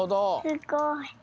すごい！